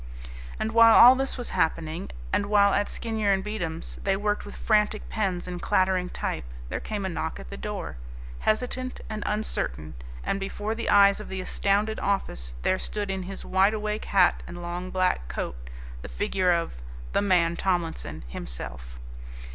And while all this was happening, and while at Skinyer and Beatem's they worked with frantic pens and clattering type there came a knock at the door, hesitant and uncertain, and before the eyes of the astounded office there stood in his wide awake hat and long black coat the figure of "the man Tomlinson" himself.